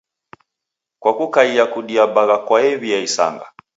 Kwa kukaia kudia bagha kwaew'ia isanga.